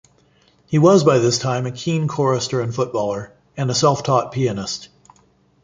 He was by this time a keen chorister and footballer, and a self-taught pianist.